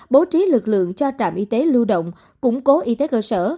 bố trí lực lượng cho trạm y tế lưu động củng cố y tế cơ sở